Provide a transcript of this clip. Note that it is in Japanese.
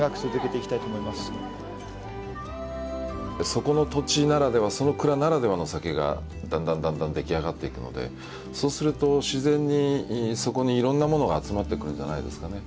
そこの土地ならではその蔵ならではの酒がだんだんだんだん出来上がっていくのでそうすると自然にそこにいろんなものが集まってくるんじゃないですかね。